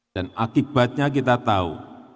dan akibatnya kita tahu